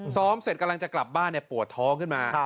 ซ้อมเสร็จกำลังจะกลับบ้านปวดท้องขึ้นมา